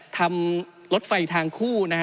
ทำรถไฟทางคู่นะฮะ